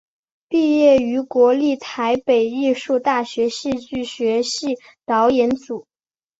毕业于国立台北艺术大学戏剧学系导演组。